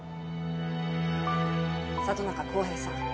里中浩平さん